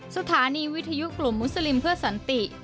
สถานีวิทยุกลุ่มมุสลิมเพื่อสันติ